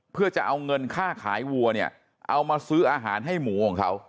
เพื่อจะเอาเงินค่าขายวัวเนี่ยเอามาซื้ออาหารให้หมูของเขา